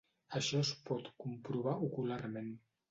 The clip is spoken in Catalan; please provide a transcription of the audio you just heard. Això es pot comprovar ocularment.